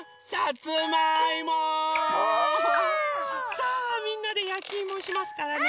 さあみんなでやきいもしますからね。